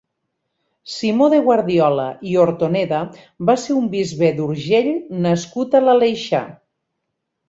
Simó de Guardiola i Hortoneda va ser un bisbe d'Urgell nascut a l'Aleixar.